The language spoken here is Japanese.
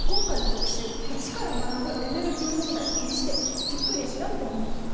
「イチから学ぶエネルギー問題」にしてじっくり調べてみませんか？